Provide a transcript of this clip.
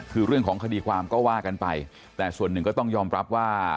คือเรื่องของคดีความก็ว่ากันไปแต่ส่วนหนึ่งก็ต้องยอมรับว่า